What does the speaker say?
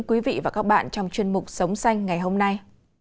quý vị và các bạn trong chương trình sống xanh ngày hôm nay